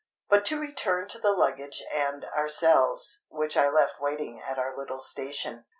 But to return to the luggage and ourselves, which I left waiting at our little station.